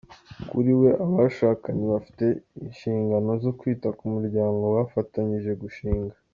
Kuri we abashakanye bafite inshinganpo zo kwita ku muryango bafatanije gushinga.